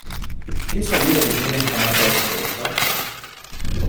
¿Qué salida que tiene esta marca de cervezas?